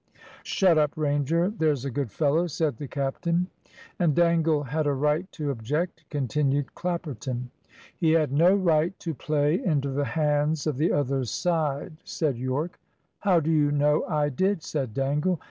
"Shut up, Ranger, there's a good fellow," said the captain. "And Dangle had a right to object," continued Clapperton. "He had no right to play into the hands of the other side," said Yorke. "How do you know I did?" said Dangle.